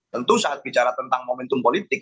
tentu saat bicara tentang momentum politik